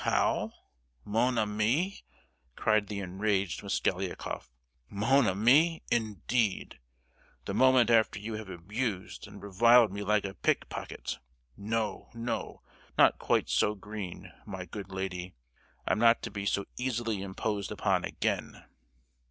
"How—'mon ami?' " cried the enraged Mosgliakoff. "Mon ami, indeed! the moment after you have abused and reviled me like a pickpocket! No, no! Not quite so green, my good lady! I'm not to be so easily imposed upon again!"